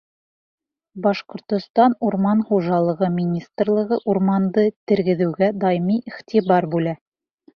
Башҡортостан Урман хужалығы министрлығы урманды тергеҙеүгә даими иғтибар бүлә.